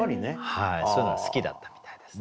そういうのが好きだったみたいですね。